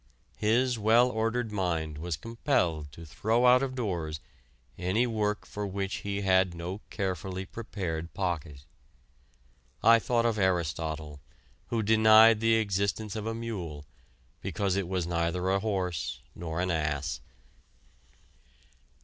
His well ordered mind was compelled to throw out of doors any work for which he had no carefully prepared pocket. I thought of Aristotle, who denied the existence of a mule because it was neither a horse nor an ass.